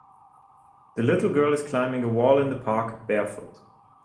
The little girl is climbing a wall in the park barefoot.